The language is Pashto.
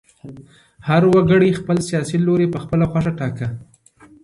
هر وګړي خپل سیاسي لوری په خپله خوښه ټاکه.